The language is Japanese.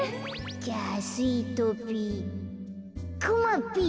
じゃあスイートピーくまぴ！